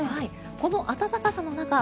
この暖かさの中